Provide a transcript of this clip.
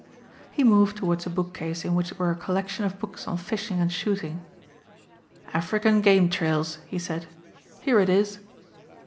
He moved toward a bookcase in which were a collection of books on fishing and shooting. "'African Game Trails,'" he said, "here it is."